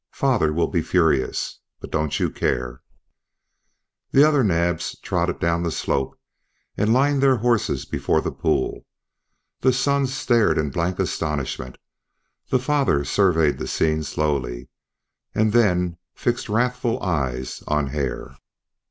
Father will be furious, but don't you care." The other Naabs trotted down the slope and lined their horses before the pool. The sons stared in blank astonishment; the father surveyed the scene slowly, and then fixed wrathful eyes on Hare.